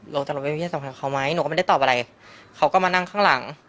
ตกลงไปมีเพศสัมพันธ์เขาไหมหนูก็ไม่ได้ตอบอะไรเขาก็มานั่งข้างหลัง